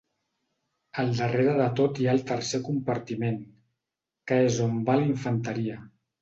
Al darrere de tot hi ha el tercer compartiment, que és on va la infanteria.